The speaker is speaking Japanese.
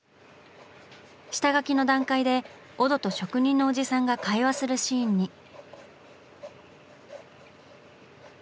下描きの段階でオドと職人のおじさんが会話するシーンに。